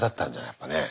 やっぱね。